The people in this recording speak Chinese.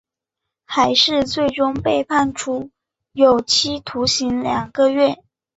海氏最终被判处有期徒刑两个月。